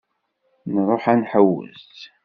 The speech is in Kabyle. Nruḥ ad nḥewwes.